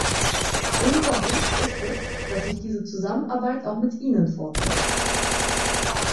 Unser Wunsch ist es, dass sich diese Zusammenarbeit auch mit Ihnen fortsetzt.